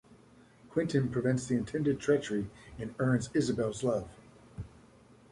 Quentin prevents the intended treachery and earns Isabelle's love.